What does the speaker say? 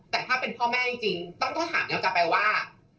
แต่ถ้าเป็นพ่อแม่จริงต้องถามย้อนกลับไปว่า